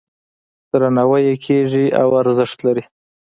درناوی یې کیږي او ارزښت لري.